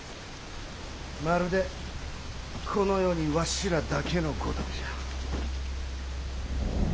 まるでこの世にわしらだけのごとくじゃ。